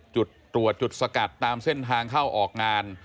จุดตรวจจุดสกัดตามเส้นทางเข้าออกงาน